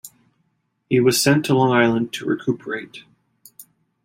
He was sent to Long Island to recuperate.